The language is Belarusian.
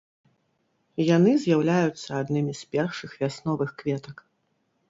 Яны з'яўляюцца аднымі з першых вясновых кветак.